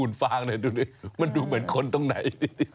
คุณฟ้างเลยดูนี่มันดูเหมือนคนตรงไหน